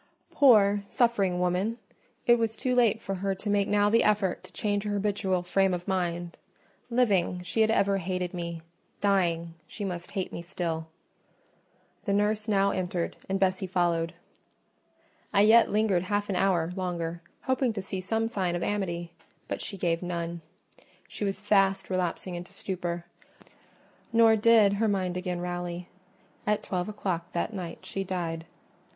Poor, suffering woman! it was too late for her to make now the effort to change her habitual frame of mind: living, she had ever hated me—dying, she must hate me still. The nurse now entered, and Bessie followed. I yet lingered half an hour longer, hoping to see some sign of amity: but she gave none. She was fast relapsing into stupor; nor did her mind again rally: at twelve o'clock that night she died.